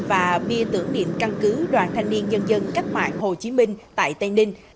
và bia tưởng niệm căn cứ đoàn thanh niên nhân dân cách mạng hồ chí minh tại tây ninh